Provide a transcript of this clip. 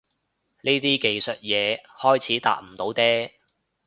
呢啲技術嘢開始搭唔到嗲